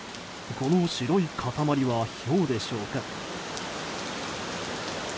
この白い塊はひょうでしょうか。